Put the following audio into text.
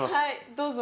どうぞ。